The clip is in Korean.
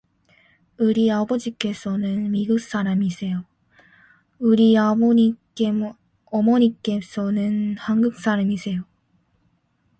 우리 아버지께서는 미국 사람이시세요. 우리 어머니께서는 한국 사람이세요.